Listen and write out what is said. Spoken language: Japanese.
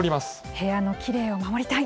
部屋のきれいを守りたい。